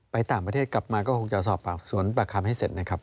ไปต่างประเทศกลับมาก็คงจะสอบปากคำปากคำให้เสร็จนะครับ